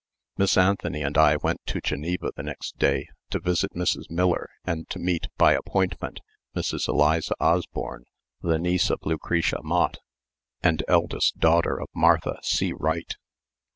Miss Anthony and I went to Geneva the next day to visit Mrs. Miller and to meet, by appointment, Mrs. Eliza Osborne, the niece of Lucretia Mott, and eldest daughter of Martha C. Wright.